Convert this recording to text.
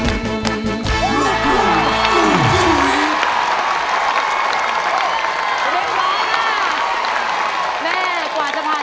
โทษใจโทษใจโทษใจโทษใจโทษใจโทษใจโทษใจ